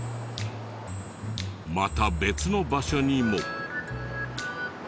また別の場所にも。